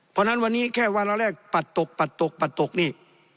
เพราะฉะนั้นวันนี้แค่วาระแรกปัดตกปัดตกปัดตกนี่